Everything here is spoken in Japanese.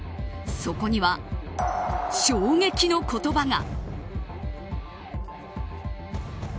そこには衝撃の言葉が。